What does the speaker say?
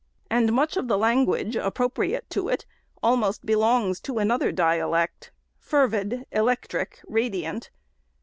And much of the language appropriate to it almost belongs to an other dialect ;— fervid, electric, radiant.